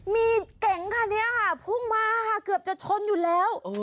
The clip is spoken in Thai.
มีเก๊งคันนี้หุ้งมาเกือบจะชนอยู่แล้ว